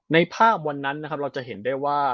ในภาพวันนั้นเราจะเห็นได้ว่า